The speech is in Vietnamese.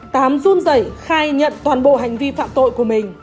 tám run giấy khai nhận toàn bộ hành vi phạm tội của mình